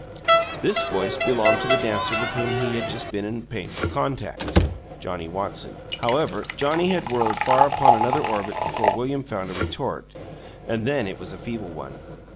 This voice belonged to the dancer with whom he had just been in painful contact, Johnnie Watson. However, Johnnie had whirled far upon another orbit before William found a retort, and then it was a feeble one.